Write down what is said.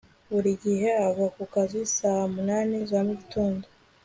Buri gihe ava ku kazi saa munani za mugitondo